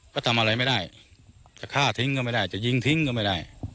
ก็ทำอะไรไม่ได้จะฆ่าทิ้งก็ไม่ได้จะยิงทิ้งก็ไม่ได้